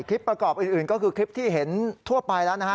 ประกอบอื่นก็คือคลิปที่เห็นทั่วไปแล้วนะฮะ